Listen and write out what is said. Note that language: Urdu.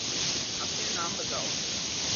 أپنے نام بتاؤ۔